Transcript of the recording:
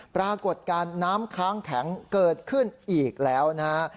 ปรากฏการณ์น้ำค้างแข็งเกิดขึ้นอีกแล้วนะฮะ